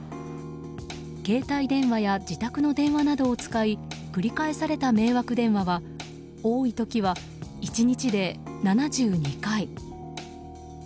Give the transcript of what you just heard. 携帯電話や自宅の電話などを使い繰り返された迷惑電話は多い時は、１日で７２回。